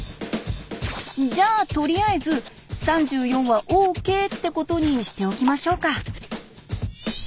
じゃあとりあえず３４はＯＫってことにしておきましょうか。